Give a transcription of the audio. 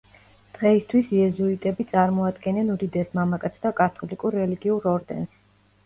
დღეისთვის იეზუიტები წარმოადგენენ უდიდეს მამაკაცთა კათოლიკურ რელიგიურ ორდენს.